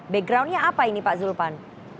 backgroundnya apa ini pak zulpan